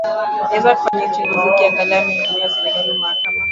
eze kufanyiwa uchuguzi ukiangalia muingiliano wa serikali na mahakama